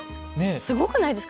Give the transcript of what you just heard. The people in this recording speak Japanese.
すごくないですか。